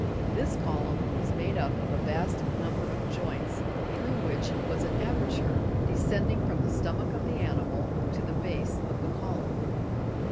This column was made up of a vast number of joints, through which was an aperture, descending from the stomach of the animal to the base of the column.